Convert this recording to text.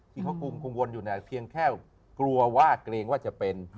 ที่เขากุมวนอยู่น่ะแค่กลัวว่าเกรงว่าจะเป็น